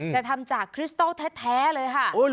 จะทำจากคริสตอลแท้เลยค่ะ